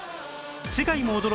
世界も驚く！